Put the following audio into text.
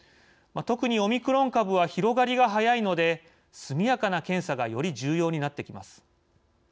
特にオミクロン株は広がりが速いので速やかな検査がより重要になってきます。